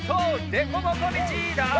でこぼこみち！